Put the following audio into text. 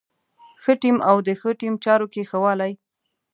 ښه ټيم او د ټيم چارو کې ښه والی.